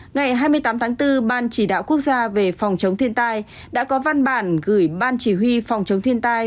ngày hai mươi tám tháng bốn ban chỉ đạo quốc gia về phòng chống thiên tai đã có văn bản gửi ban chỉ huy phòng chống thiên tai